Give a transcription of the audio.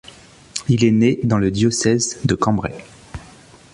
Il est né dans le diocèse de Cambrai.